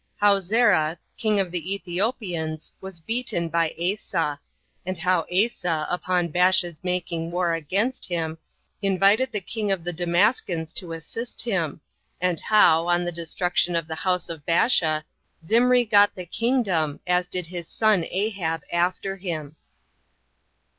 How Zerah, King Of The Ethiopians, Was Beaten By Asa; And How Asa, Upon Baasha's Making War Against Him, Invited The King Of The Damascens To Assist Him; And How, On The Destruction Of The House Of Baasha Zimri Got The Kingdom As Did His Son Ahab After Him.